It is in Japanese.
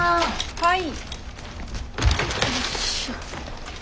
はい。